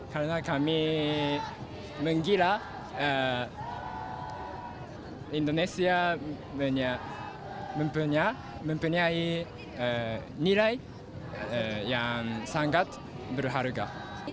karena kami mengira indonesia mempunyai nilai yang sangat berharga